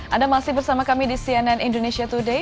anda masih bersama kami di cnn indonesia today